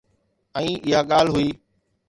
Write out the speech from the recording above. ۽ اها ڳالهه هئي.